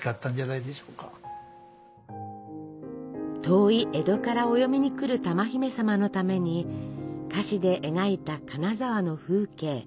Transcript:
遠い江戸からお嫁に来る珠姫様のために菓子で描いた金沢の風景。